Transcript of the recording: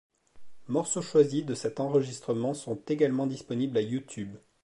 Morceaux choisis de cet enregistrement sont également disponibles à YouTube.